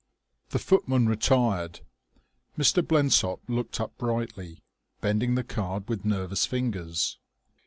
The footman retired. Mr. Blensop looked up brightly, bending the card with nervous fingers.